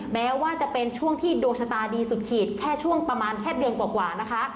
แม้ว่าจะเป็นช่วงที่ดวงชะตาดีสุดขีดแค่ช่วงประมาณแค่เดือนกว่านะคะ